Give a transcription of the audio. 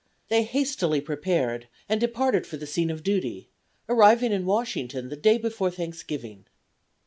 They hastily prepared and departed for the scene of duty, arriving in Washington the day before Thanksgiving.